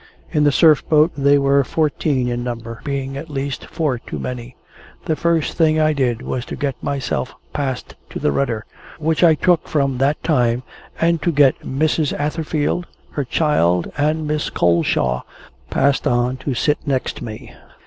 In the Surf boat they were fourteen in number, being at least four too many. The first thing I did, was to get myself passed to the rudder which I took from that time and to get Mrs. Atherfield, her child, and Miss Coleshaw, passed on to sit next me.